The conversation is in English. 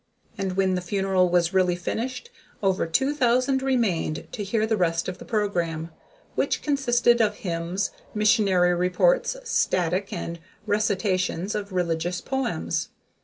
And when the funeral was really finished, over two thousand remained to hear the rest of the program, which consisted of hymns, missionary reports, static and recitations of religious poems.